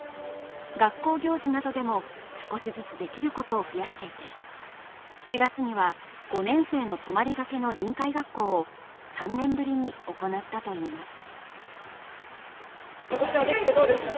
学校行事などでも少しずつできることを増やしていて、７月には、５年生の泊まりがけの臨海学校を３年ぶりに行ったといいます。